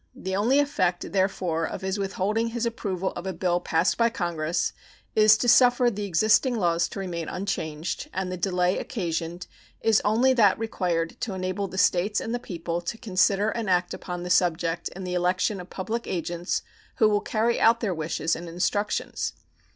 The only effect, therefore, of his withholding his approval of a bill passed by Congress is to suffer the existing laws to remain unchanged, and the delay occasioned is only that required to enable the States and the people to consider and act upon the subject in the election of public agents who will carry out their wishes and instructions.